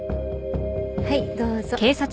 はいどうぞ。